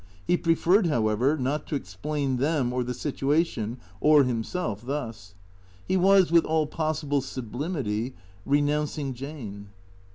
He preferred, however, not to explain tliem or the situation or himself thus. He was, with all possible sublimity, renouncing Jane.